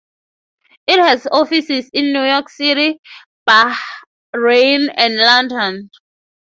It has offices in New York City, Bahrain and London.